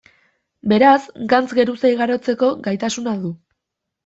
Beraz, gantz geruza igarotzeko gaitasuna du.